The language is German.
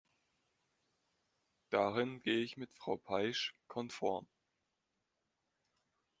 Darin gehe ich mit Frau Peijs konform.